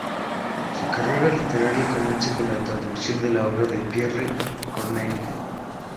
Su carrera literaria comienza con la traducción de la obra de Pierre Corneille.